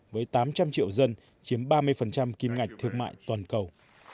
với tám trăm linh triệu dân chiếm ba mươi kim ngạch thương mại toàn cầu